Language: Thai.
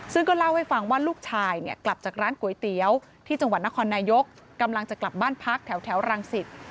ซึ่งก็เล่าให้ฟังว่าลูกชายเนี่ยกลับจากร้านก๋วยเตี๋ยวที่จังหวัดนครนายกกำลังจะกลับบ้านพักแถวรังสิต